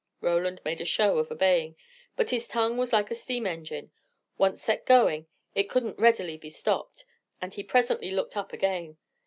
Roland made a show of obeying. But his tongue was like a steam engine: once set going, it couldn't readily be stopped, and he presently looked up again.